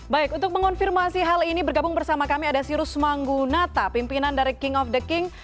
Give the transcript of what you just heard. baik untuk mengonfirmasi hal ini bergabung bersama kami ada sirus manggunata pimpinan dari king of the king